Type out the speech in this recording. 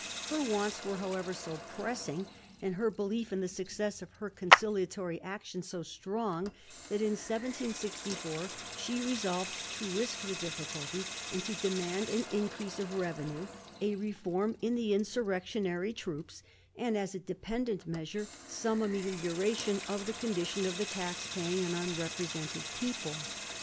Her wants were however so pressing, and her belief in the success of her conciliatory action so strong, that in 1764 she resolved to risk the difficulty, and to demand an increase of revenue, a reform in the insurrectionary troops, and, as a dependent measure, some amelioration of the condition of the tax paying and unrepresented people.